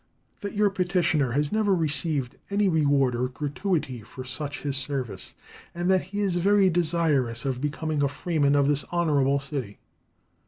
that your petitioner has never received any reward or gratuity for such his service, that he is very desirous of becoming a freeman of this honourable city.